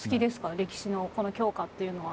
歴史のこの教科っていうのは。